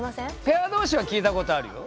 ペアどうしは聞いたことあるよ。